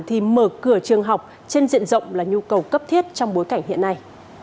thì mở cửa trường học trên diện rộng là nhu cầu cấp thiết trong bối cảnh hiện nay